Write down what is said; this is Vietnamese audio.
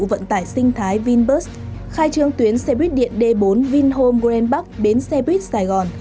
vận tải sinh thái vinbus khai trương tuyến xe buýt điện d bốn vinhome grand bắc bến xe buýt sài gòn